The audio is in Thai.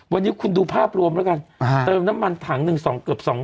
วันนี้คุณดูภาพรวมแล้วกันเติมน้ำมันถังเกือบ๒๐๐๐นะ